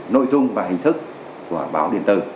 nội dung và hình thức của báo điện tờ